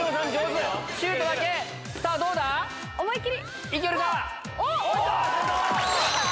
思い切り。